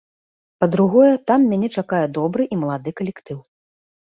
Па-другое, там мяне чакае добры і малады калектыў.